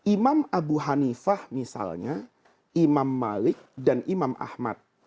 imam abu hanifah misalnya imam malik dan imam ahmad